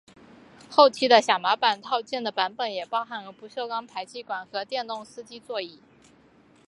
后期的小马版套件的版本也包含了不锈钢排气管和电动司机座椅。